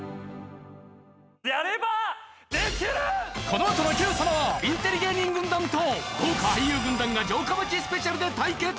このあとの『Ｑ さま！！』はインテリ芸人軍団と豪華俳優軍団が城下町スペシャルで対決